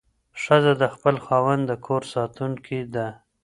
ښځه د خپل خاوند د کور ساتونکې ده.